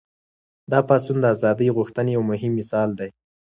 دا پاڅون د ازادۍ غوښتنې یو مهم مثال دی.